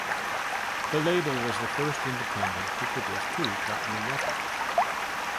The label was the first independent to produce two platinum records.